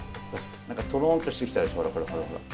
なんかとろんとしてきたでしょほらほらほらほら。